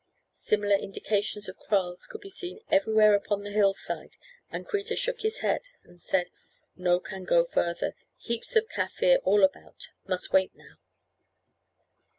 Similar indications of kraals could be seen everywhere upon the hill side, and Kreta shook his head and said: "No can go further. Heaps of Kaffir all about. Must wait now."